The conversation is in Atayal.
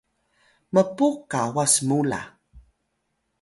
mpux kawas mu la